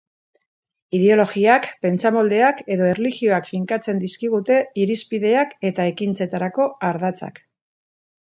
Ideologiak, pentsamoldeak edo erlijioak finkatzen dizkigute irizpideak eta ekintzetarako ardatzak.